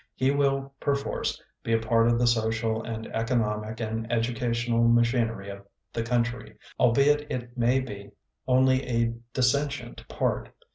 He will, perforce, be a part of the social and economic and educational machin ery of the country, albeit it may be only a dissentient part.